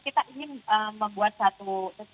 kita ingin membuat satu